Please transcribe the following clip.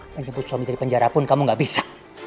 menyebut suami dari penjara pun kamu gak bisa